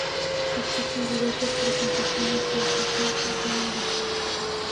Existen diversas presentaciones de esta salsa ya envasada.